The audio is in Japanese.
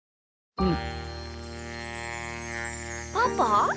うん。